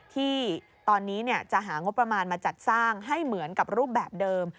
ที่ตอนนี้จะหางบประมาณมาจัดสร้างให้เหมือนกับรูปแบบเดิม